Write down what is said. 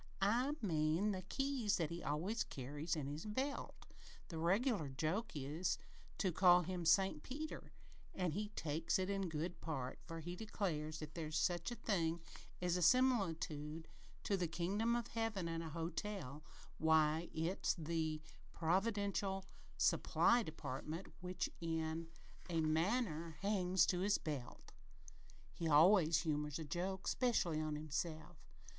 "I mean the keys thet he always carries in his belt. The reg'lar joke there is to call him 'St. Peter,' an' he takes it in good part, for, he declares, if there is such a thing as a similitude to the kingdom o' Heaven in a hotel, why, it's in the providential supply department which, in a manner, hangs to his belt. He always humors a joke 'specially on himself."